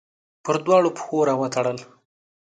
پر دواړو پښو راوتړل